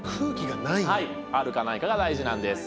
あるかないかが大事なんです。